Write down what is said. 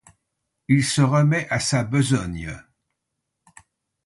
Et il se remet à sa besogne.